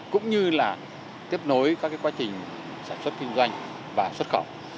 cũng như tiếp nối các quá trình sản xuất kinh doanh